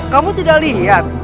kamu tidak lihat